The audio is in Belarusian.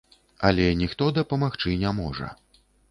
Але ніхто дапамагчы не можа.